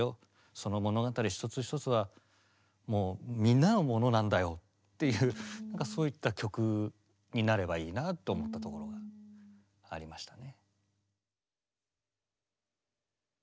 その物語一つ一つがもうみんなのものなんだよっていう何かそういった曲になればいいなあと思ったところがありましたね。